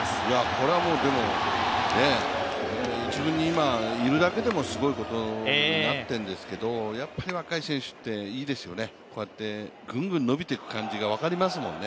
これはもう１軍に今いるだけでもすごいことに今、なっているんですけれどもやっぱり若い選手っていいですよね、こうやってぐんぐん伸びていく感じが分かりますよね。